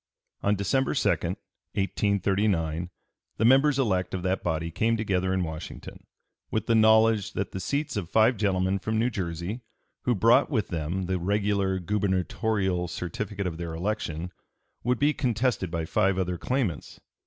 On December 2, 1839, the members elect of that body came together in Washington, with the knowledge that the seats of five gentlemen from New Jersey, who brought with them the regular gubernatorial certificate of their election, would be contested by five other claimants.